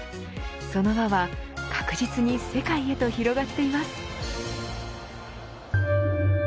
その輪は確実に世界へと広がっています。